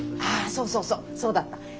ああそうそうそうそうだった。